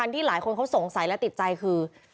ที่หลายคนเขาสงสัยและติดใจคือ